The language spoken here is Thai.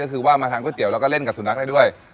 ก็คือว่ามาทานก๋วแล้วก็เล่นกับสุนัขได้ด้วย